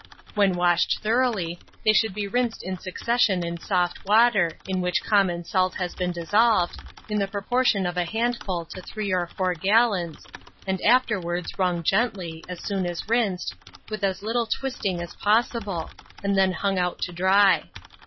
When washed thoroughly, they should be rinsed in succession in soft water, in which common salt has been dissolved, in the proportion of a handful to three or four gallons, and afterwards wrung gently, as soon as rinsed, with as little twisting as possible, and then hung out to dry.